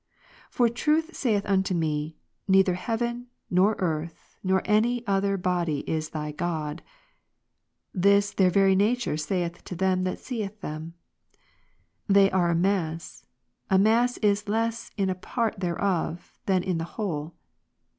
For truth saith ( unto me, " Neither heaven, nor earth, nor any other body is thy God." This, their very nature saith to him that seeth them; "They are amass; a mass is less in a part thereof, than in the whole."